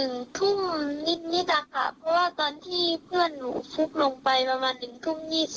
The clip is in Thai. นิดนิดอ่ะค่ะเพราะว่าตอนที่เพื่อนหนูฟุกลงไปประมาณ๑ทุ่ม๒๐